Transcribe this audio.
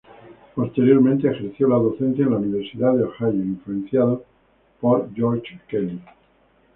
Posteriormente, ejerció la docencia en la Universidad de Ohio, influenciado por George Kelly.